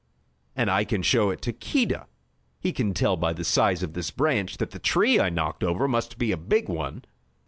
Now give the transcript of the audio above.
And I can show it to Keedah. He can tell by the size of this branch that the tree I knocked over must be a big one.